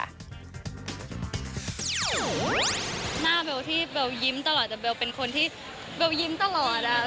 หน้าเบลที่เบลยิ้มตลอดแต่เบลเป็นคนที่เบลยิ้มตลอด